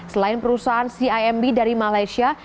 selain perusahaan cimb dari malaysia